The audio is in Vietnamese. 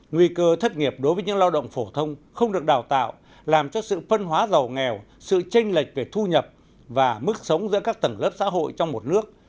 nguy cơ thất nghiệp đối với những lao động phổ thông không được đào tạo làm cho sự phân hóa giàu nghèo sự tranh lệch về thu nhập và mức sống giữa các tầng lớp xã hội trong một nước